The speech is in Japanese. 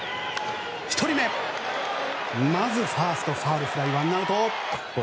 １人目、ファーストへのファウルフライでワンアウト。